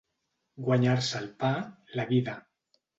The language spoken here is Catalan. Guanyar-se el pa, la vida.